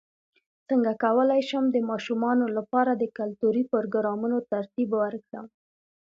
څنګه کولی شم د ماشومانو لپاره د کلتوري پروګرامونو ترتیب ورکړم